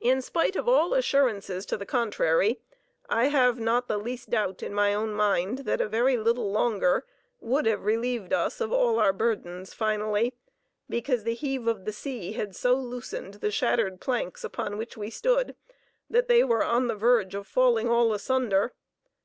In spite of all assurances to the contrary, I have not the least doubt in my own mind that a very little longer would have relieved us of all our burdens finally, because the heave of the sea had so loosened the shattered planks upon which we stood that they were on the verge of falling all asunder.